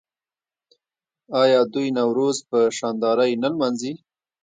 آیا دوی نوروز په شاندارۍ نه لمانځي؟